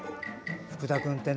福田君ってね